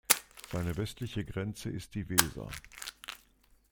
Seine westliche Grenze ist die Weser.